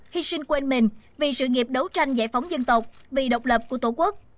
hy sinh quên mình vì sự nghiệp đấu tranh giải phóng dân tộc vì độc lập của tổ quốc